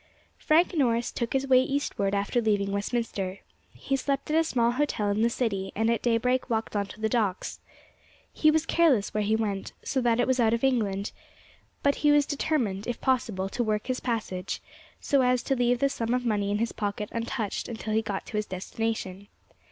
FRANK NORRIS took his way eastward after leaving Westminster. He slept at a small hotel in the city, and at daybreak walked on to the docks. He was careless where he went, so that it was out of England; but he was determined, if possible, to work his passage, so as to leave the sum of money in his pocket untouched until he got to his destination.